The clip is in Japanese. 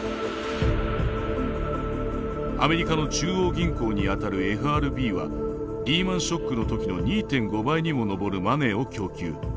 アメリカの中央銀行にあたるＦＲＢはリーマンショックの時の２．５倍にも上るマネーを供給。